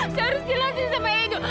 saya harus jelasin sama edo